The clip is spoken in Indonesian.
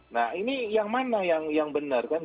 nah ini yang mana yang benar kan